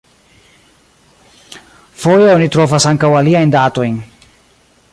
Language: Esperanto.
Foje oni trovas ankaŭ aliajn datojn.